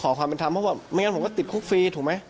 ขอความเป็นธรรมเพราะว่าไม่งั้นผมก็ติดคุกฟรีถูกไหม